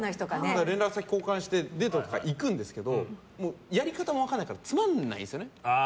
だから連絡先交換してデートとか行くんですけどやり方も分からないからつまらないんですよね。